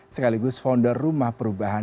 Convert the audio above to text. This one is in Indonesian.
sekaligus founder rumah perubahan